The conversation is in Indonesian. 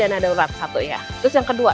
dana darurat satu ya terus yang kedua